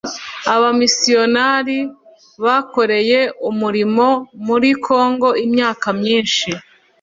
abamisiyonari bakoreye umurimo muri kongo imyaka myinshi